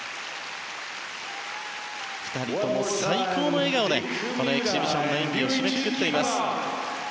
２人とも最高の笑顔でこのエキシビションの演技を締めくくっています。